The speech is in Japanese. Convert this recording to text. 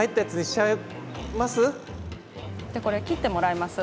・じゃあこれ切ってもらいます？